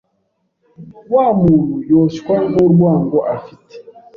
Wa muntu yoshywa n’urwango afite